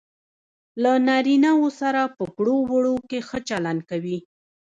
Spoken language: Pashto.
له نارینه وو سره په ګړو وړو کې ښه چلند کوي.